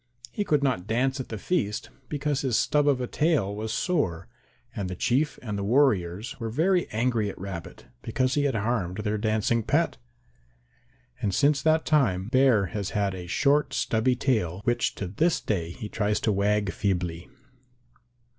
He could not dance at the feast because his stub of a tail was sore, and the Chief and the warriors were very angry at Rabbit because he had harmed their dancing pet. And since that time Bear has had a short stubby tail which to this day he tries to wag feebly.